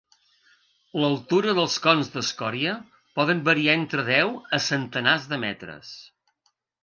L'altura dels cons d'escòria pot variar entre deu a centenars de metres.